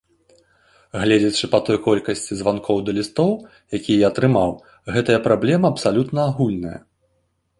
Гледзячы па той колькасці званкоў ды лістоў, якія я атрымаў, гэтая праблема абсалютна агульная.